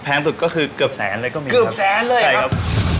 แพงสุดก็คือเกือบแสนเลยครับ